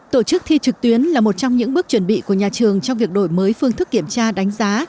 tổ chức thi trực tuyến là một trong những bước chuẩn bị của nhà trường trong việc đổi mới phương thức kiểm tra đánh giá